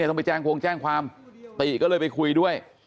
ต้องไปแจ้งคงแจ้งความติก็เลยไปคุยด้วย